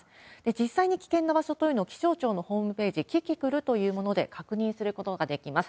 実際に危険な場所というのを気象庁のホームページ、キキクルというもので確認することができます。